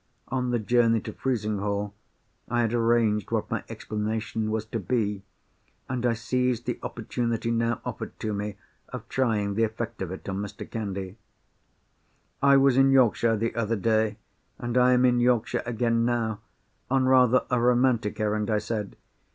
On the journey to Frizinghall I had arranged what my explanation was to be—and I seized the opportunity now offered to me of trying the effect of it on Mr. Candy. "I was in Yorkshire, the other day, and I am in Yorkshire again now, on rather a romantic errand," I said.